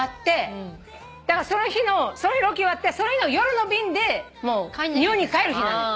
そしてロケが終わってその日の夜の便で日本に帰る日なのよ。